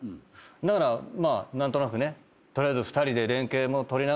だから何となくね取りあえず。